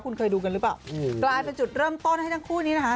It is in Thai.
คุณเคยดูกันหรือเปล่าอืมกลายเป็นจุดเริ่มต้นให้ทั้งคู่นี้นะคะ